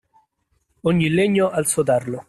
Ogni legno ha il suo tarlo.